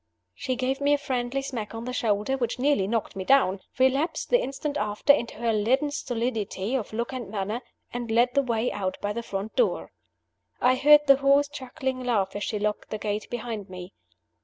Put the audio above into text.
She gave me a friendly smack on the shoulder which nearly knocked me down relapsed, the instant after, into her leaden stolidity of look and manner and led the way out by the front door. I heard her hoarse chuckling laugh as she locked the gate behind me.